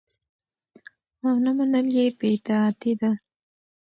او نه منل يي بي اطاعتي ده